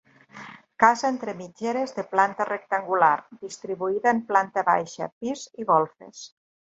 Casa entre mitgeres de planta rectangular, distribuïda en planta baixa, pis i golfes.